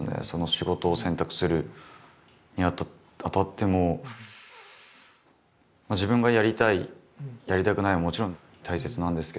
仕事を選択するにあたっても自分がやりたいやりたくないはもちろん大切なんですけど。